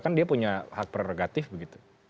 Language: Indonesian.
kan dia punya hak prerogatif begitu